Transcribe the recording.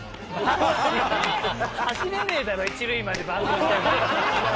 「走れねえだろ一塁までバントしても」